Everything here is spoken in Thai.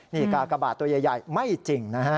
นี่กากบาทตัวใหญ่ไม่จริงนะฮะ